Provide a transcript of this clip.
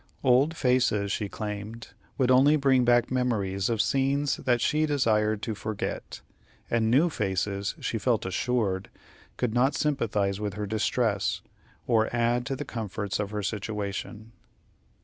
Old faces, she claimed, would only bring back memories of scenes that she desired to forget; and new faces, she felt assured, could not sympathize with her distress, or add to the comforts of her situation.